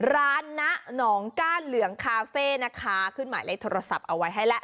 ร้านนะหนองก้านเหลืองคาเฟ่นะคะขึ้นหมายเลขโทรศัพท์เอาไว้ให้แล้ว